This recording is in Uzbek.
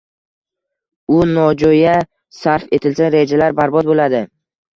U nojo‘ya sarf etilsa rejalar barbod bo‘ladi.